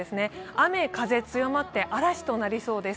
雨風強まって嵐となりそうです。